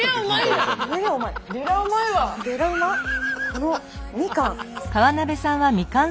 このみかん。